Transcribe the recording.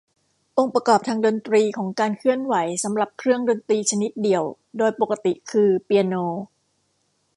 องค์ประกอบทางดนตรีของการเคลื่อนไหวสำหรับเครื่องดนตรีชนิดเดี่ยว โดยปกติคือเปียโน